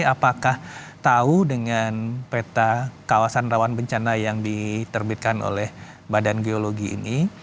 apakah tahu dengan peta kawasan rawan bencana yang diterbitkan oleh badan geologi ini